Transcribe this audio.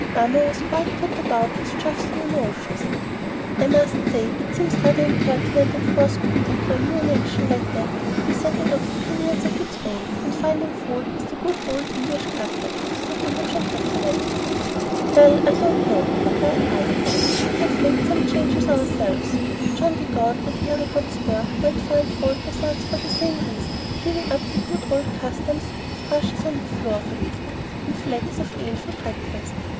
Mamma was quite put about with Geoff's new notions." "I must say that it seems rather impertinent and forth putting for a new nation like that to be setting up opinions of its own, and finding fault with the good old English customs," said Imogen, petulantly. "Well, I don't know," replied Isabel; "we have made some changes ourselves. John of Gaunt or Harry Hotspur might find fault with us for the same reason, giving up the 'good old customs' of rushes on the floor, for instance, and flagons of ale for breakfast.